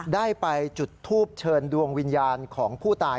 ได้ไปจุดทูปเชิญดวงวิญญาณของผู้ตาย